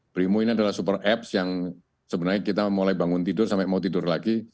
brimo ini adalah super apps yang sebenarnya kita mulai bangun tidur sampai mau tidur lagi